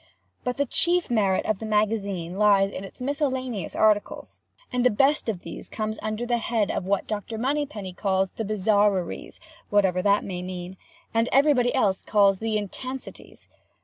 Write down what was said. But the chief merit of the Magazine lies in its miscellaneous articles; and the best of these come under the head of what Dr. Moneypenny calls the bizarreries (whatever that may mean) and what everybody else calls the intensities.